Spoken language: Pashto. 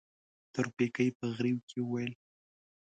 تورپيکۍ په غريو کې وويل.